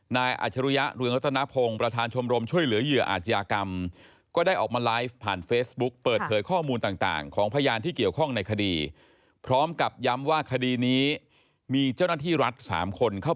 นายอัชรุยะเรืองรัตนพงศ์ประธานชมรมช่วยเหลือเหยื่ออาจยากรรม